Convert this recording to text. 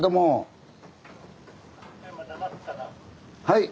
はい。